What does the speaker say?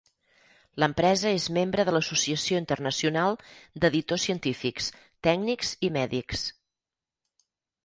L'empresa és membre de l'Associació internacional d'editors científics, tècnics i mèdics.